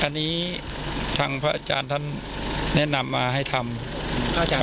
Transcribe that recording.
อันนี้ทางพระอาจารย์นี่นำมาให้ทำ